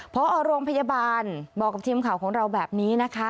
พอโรงพยาบาลบอกกับทีมข่าวของเราแบบนี้นะคะ